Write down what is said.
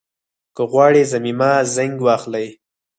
که غواړئ ضمیمه زېنک واخلئ